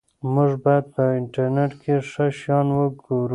موږ باید په انټرنیټ کې ښه شیان وګورو.